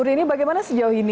rini bagaimana sejauh ini